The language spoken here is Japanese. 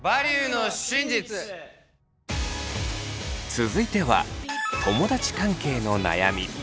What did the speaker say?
続いては友だち関係の悩み。